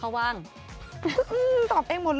เขาว่าง